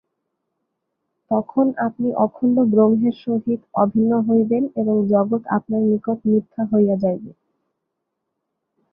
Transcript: তখন আপনি অখণ্ড ব্রহ্মের সহিত অভিন্ন হইবেন এবং জগৎ আপনার নিকট মিথ্যা হইয়া যাইবে।